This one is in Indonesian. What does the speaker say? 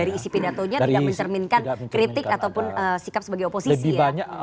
dari isi pidatonya tidak mencerminkan kritik ataupun sikap sebagai oposisi ya